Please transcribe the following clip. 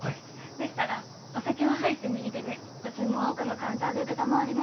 でしたらお席は入って右手でご注文は奥のカウンターで承ります。